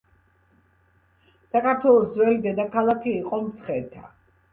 საქართველოს ძველი დედაქალაქი იყო მცხეთა